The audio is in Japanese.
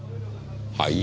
はい？